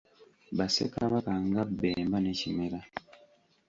Ba ssekabaka nga Bbemba ne Kimera.